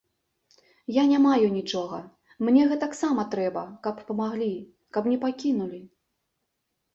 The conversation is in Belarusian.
Я не маю нічога, мне гэтаксама трэба, каб памаглі, каб не пакінулі.